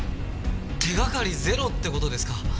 手がかりゼロって事ですか？